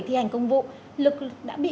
thi hành công vụ lực đã bị